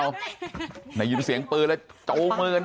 นายยินเสียงปืนแล้วโจมมา